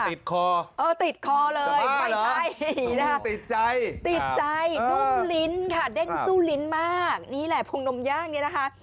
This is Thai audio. ติดคอเออติดคอติดใจดึงลิ้นค่ะเด้งซู่ลิ้นมากนี่แหละพวงนมย่างนี่นะคะ